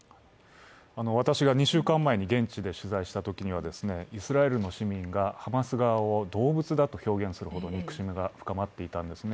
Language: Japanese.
私が２週間前に現地で取材したときにはイスラエルの市民がハマス側を動物だと表現するほど憎しみが深まっていたんですね。